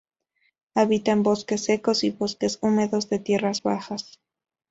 Habita en bosques secos y bosques húmedos de tierras bajas.